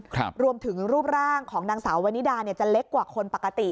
ครับรวมถึงรูปร่างของนางสาววันนิดาเนี่ยจะเล็กกว่าคนปกติ